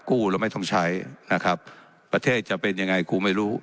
กู้แล้วไม่ต้องใช้นะครับประเทศจะเป็นยังไงกูไม่รู้